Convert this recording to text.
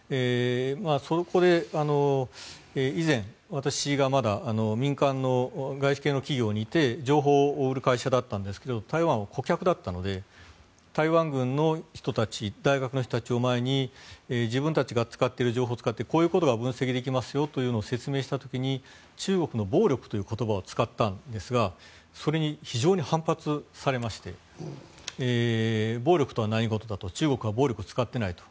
そこで以前、私がまだ民間の外資系の企業にいて情報を売る会社だったんですが台湾は顧客だったので台湾軍の人たち大学の人たちを前に自分たちが使っている情報を使ってこういうことが分析できますよというのを説明した時に中国の暴力という言葉を使ったんですがそれに非常に反発されまして暴力とは何事だと中国は暴力を使っていないと。